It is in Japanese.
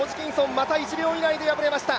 また１秒以内で敗れました。